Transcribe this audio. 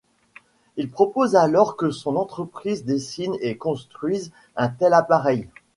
Il propose alors que son entreprise dessine et construise un tel appareil.